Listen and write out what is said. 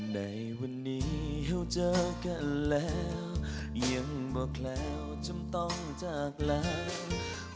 ในวันนี้เขาเจอกันแล้วยังบอกแล้วจำต้องจากแล้ว